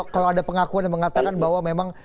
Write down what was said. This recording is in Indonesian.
kalau ada pengakuan yang mengatakan bahwa memang